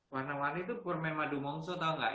warna warni itu porme madumongso tahu gak